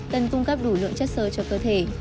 cần cung cấp đủ lượng chất sơ cho cơ thể